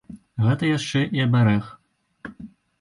Гэта яшчэ і абярэг.